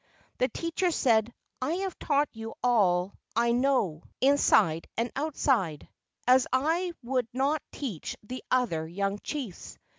The teacher said, "I have taught you all I know 206 LEGENDS OF GHOSTS inside and outside, as I would not teach the other young chiefs."